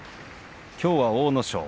きょうは阿武咲